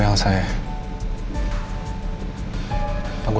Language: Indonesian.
kita beristirahat ici ya meme